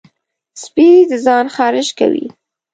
سپي د ځان خارش کوي.